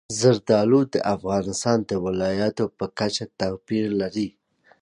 زردالو د افغانستان د ولایاتو په کچه توپیر لري.